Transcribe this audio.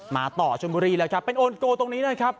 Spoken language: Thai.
มาต่อชนบุรีแล้วครับเป็นโอนโกตรงนี้นะครับ